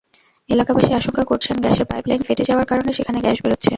এলাকাবাসী আশঙ্কা করছেন, গ্যাসের পাইপলাইন ফেটে যাওয়ার কারণে সেখানে গ্যাস বেরোচ্ছে।